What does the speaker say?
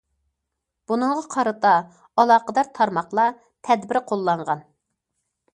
بۇنىڭغا قارىتا ئالاقىدار تارماقلار تەدبىر قوللانغان.